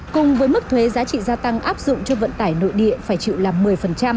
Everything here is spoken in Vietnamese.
cùng với mức thuế giá trị gia tăng áp dụng cho vận tải nội địa phải chịu là một mươi